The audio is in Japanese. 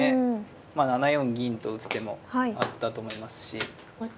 ７四銀と打つ手もあったと思いますし。